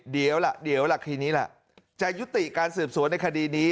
เดี๋ยวล่ะคืนนี้ล่ะจะยุติการสืบสวนในคดีนี้